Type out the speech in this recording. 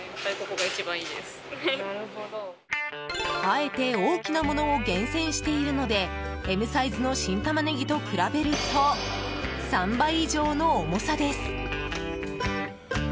あえて大きなものを厳選しているのでＭサイズの新タマネギと比べると３倍以上の重さです。